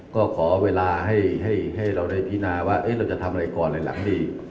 ก็ขอเวลาให้เราได้พินาว่าเราจะทำอะไรก่อนในหลังดี